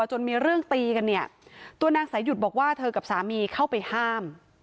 จนมีเรื่องตีกันเนี่ยตัวนางสายหยุดบอกว่าเธอกับสามีเข้าไปห้าม